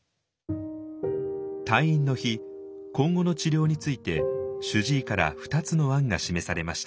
退院の日今後の治療について主治医から２つの案が示されました。